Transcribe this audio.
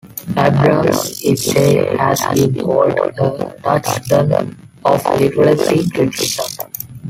Abrams' essay has been called a "touchstone of literary criticism".